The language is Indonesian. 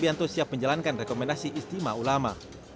subianto siap menjalankan rekomendasi istimewa ulama